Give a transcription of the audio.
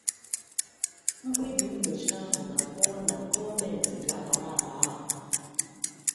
Mkpebi nnyocha ahụ na-akọwa na gọọmenti ga-akpara ala ahụ